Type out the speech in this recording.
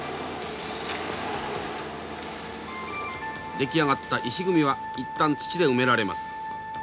出来上がった石組みは一旦土で埋められます。